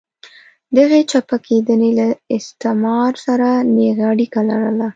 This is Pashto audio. دغې چپه کېدنې له استعمار سره نېغه اړیکه لرله.